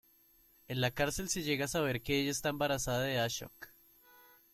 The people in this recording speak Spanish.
En la cárcel se llega a saber que ella está embarazada de Ashok.